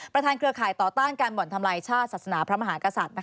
ประธานเครื่องขายต่อต้านการหม่อนทำร้ายชาติศาสนะพระมหากษัตริย์